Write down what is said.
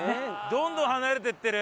どんどん離れていってる。